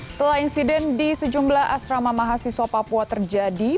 setelah insiden di sejumlah asrama mahasiswa papua terjadi